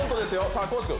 さぁ地君。